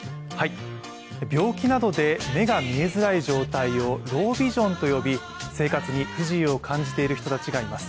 病気などで目が見えづらい状態をロービジョンと呼び、生活に不自由を感じている人たちがいます。